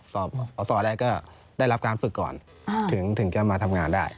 สอบสอบสอบแรกก็ได้รับการฝึกก่อนอ่าถึงถึงจะมาทำงานได้